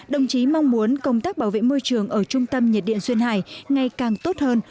đồng chí mong muốn công tác bảo vệ môi trường ở trung tâm nhiệt điện duyên hải ngày càng tốt hơn